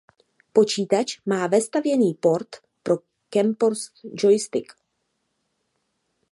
Počítač má vestavěný port pro Kempston joystick.